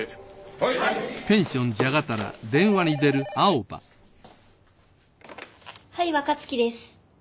はい若月です。